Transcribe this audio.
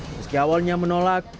meski awalnya menolak